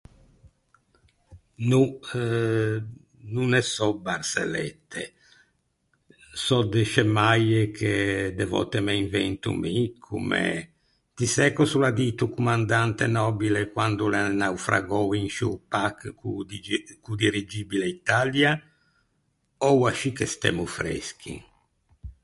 No eh no ne sò barsellette. Sò de scemmaie che de vòtte me invento mi, comme «Ti sæ cös’o l’à dito o commandante Nòbile quand’o l’é naufragou in sciô pack co-o digi- co-o dirigibile Italia?» «Oua scì che stemmo freschi.»